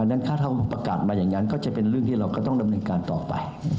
นั้นถ้าเขาประกาศมาอย่างนั้นก็จะเป็นเรื่องที่เราก็ต้องดำเนินการต่อไป